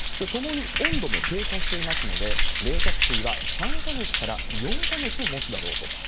ともに温度も低下していますので、冷却水は３か月から４か月もつだろうと。